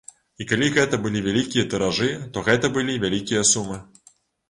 І калі гэта былі вялікія тыражы, то гэта былі вялікія сумы.